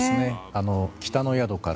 「北の宿から」。